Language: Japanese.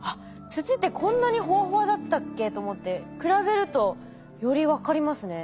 土ってこんなにホワホワだったっけと思って比べるとより分かりますね。